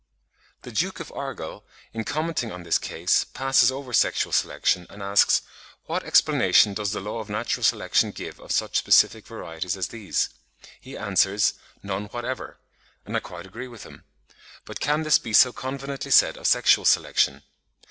The Duke of Argyll, in commenting on this case (53. 'The Reign of Law,' 1867, p. 247.), passes over sexual selection, and asks, "What explanation does the law of natural selection give of such specific varieties as these?" He answers "none whatever"; and I quite agree with him. But can this be so confidently said of sexual selection?